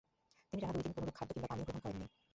তিনি টানা দুইদিন কোনরুপ খাদ্য কিংবা পানীয় গ্রহণ করেননি।